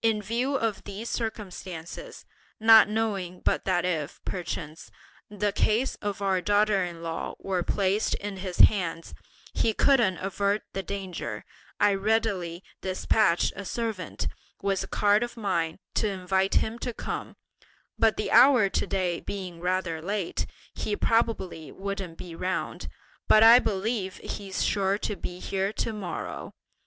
In view of these circumstances, not knowing but that if, perchance, the case of our daughter in law were placed in his hands, he couldn't avert the danger, I readily despatched a servant, with a card of mine, to invite him to come; but the hour to day being rather late, he probably won't be round, but I believe he's sure to be here to morrow.